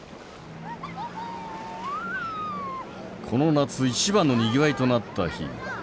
この夏一番のにぎわいとなった日。